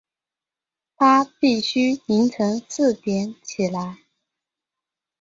她必须清晨四点起来